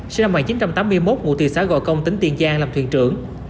sinh năm một nghìn chín trăm tám mươi một ngụ từ xã gò công tỉnh tiền giang làm thuyền trưởng